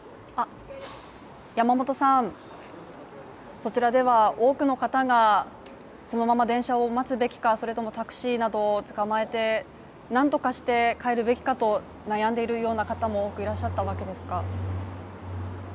そちらでは多くの方がそのまま電車を待つべきかそれともタクシーなどをつかまえて何とかして帰るべきかと悩んでいるような方も多くいらっしゃったわけですか？